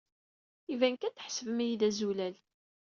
Iban kan tḥesbem-iyi d azulal.